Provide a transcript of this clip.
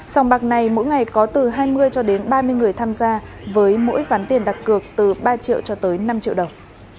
sòng bạc này mỗi ngày có từ hai mươi cho đến ba mươi người tham gia với mỗi ván tiền đặc cược từ ba triệu cho tới năm triệu đồng